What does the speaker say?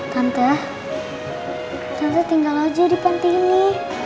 tante tante tinggal aja di pantai ini